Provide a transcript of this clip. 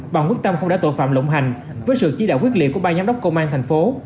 bằng quyết tâm không để tội phạm lộng hành với sự chỉ đạo quyết liệt của ba giám đốc công an thành phố